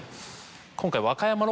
今回。